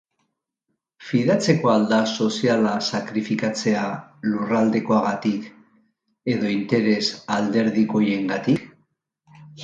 Fidatzekoa al da soziala sakrifikatzea lurraldekoagatik edo interes alderdikoiengatik?